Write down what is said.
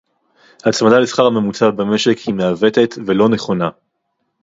הצמדה לשכר הממוצע במשק היא מעוותת ולא נכונה